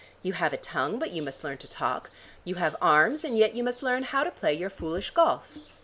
You have a tongue, but you must learn to talk: you have arms and yet you must learn how to play your foolish golf."